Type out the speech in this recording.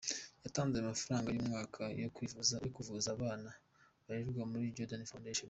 Yatanze amafaranga y’umwaka yo kuvuza abana barererwa muri Jordan Foundation.